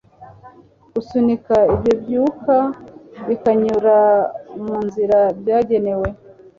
gusunika ibyo byuka bikanyura mu nzira byagenewe.